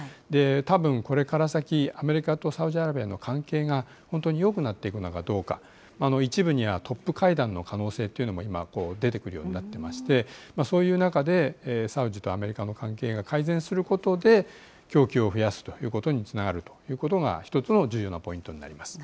たぶん、これから先、アメリカとサウジアラビアの関係が、本当によくなっていくのかどうか、一部にはトップ会談の可能性っていうのも今、出てくるようになっていまして、そういう中でサウジアラビアとアメリカの関係が改善することで、供給を増やすということにつながるということが１つの重要なポイントになります。